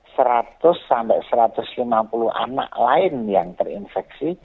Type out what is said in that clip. seratus sampai satu ratus lima puluh anak lain yang terinfeksi